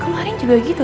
kemarin juga gitu